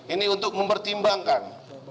ini untuk mempertimbangkan